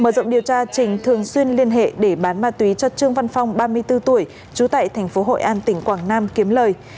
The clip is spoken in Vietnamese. mở rộng điều tra trình thường xuyên liên hệ để bán ma túy cho trương văn phong ba mươi bốn tuổi trú tại tp hội an tỉnh quảng nam kiếm lời